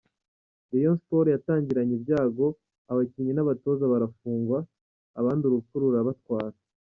Rayon Sports, yatangiranye ibyago, abakinnyi n’abatoza barafungwa, abandi urupfu rurabatwara.